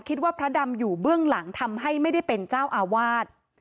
คิดว่าพระดำอยู่เบื้องหลังทำให้ไม่ได้เป็นเจ้าอาวาส